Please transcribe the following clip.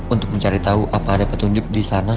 untuk mencari tau apa ada petunjuk disana